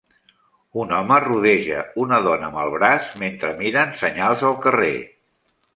Un home rodeja una dona amb el braç mentre miren senyals al carrer.